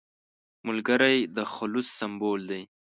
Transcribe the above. ملګری د خلوص سمبول دی